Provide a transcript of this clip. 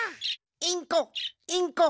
インコインコ！